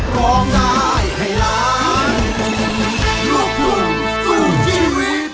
โปรดติดตามตอนต่อไป